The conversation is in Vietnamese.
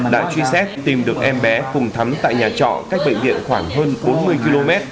đã truy xét tìm được em bé cùng thắm tại nhà trọ cách bệnh viện khoảng hơn bốn mươi km